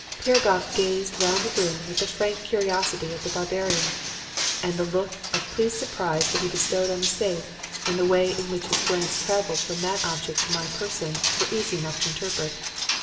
Piragoff gazed round the room with the frank curiosity of the barbarian, and the look of pleased surprise that he bestowed on the safe and the way in which his glance traveled from that object to my person were easy enough to interpret.